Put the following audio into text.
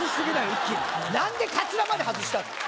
一気に何でカツラまで外したの？